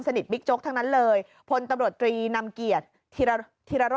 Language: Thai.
นิดบิ๊กโจ๊กทั้งนั้นเลยพลตำรวจตรีนำเกียรติธีระโรธ